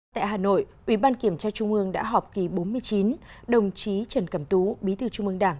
tại hà nội ủy ban kiểm tra trung ương đã họp kỳ bốn mươi chín đồng chí trần cẩm tú bí thư trung mương đảng